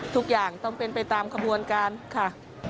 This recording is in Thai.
ทุกอย่างต้องเป็นไปตามขบวนการค่ะ